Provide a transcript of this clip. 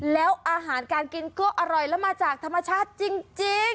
แล้วอาหารการกินก็อร่อยแล้วมาจากธรรมชาติจริง